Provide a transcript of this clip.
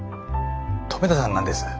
留田さんなんです。